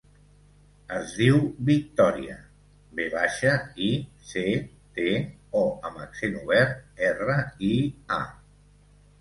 Es diu Victòria: ve baixa, i, ce, te, o amb accent obert, erra, i, a.